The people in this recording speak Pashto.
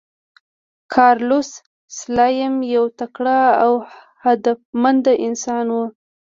کارلوس سلایم یو تکړه او هدفمند انسان و.